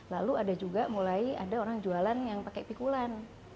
lalu ada juga mulai ada orang jualan yang pakai pikulan